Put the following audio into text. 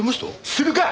するか！